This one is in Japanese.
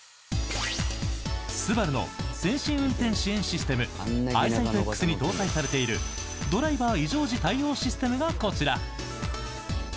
スバルの先進運転支援システムアイサイトＸに搭載されているドライバー異常時対応システムがこちら。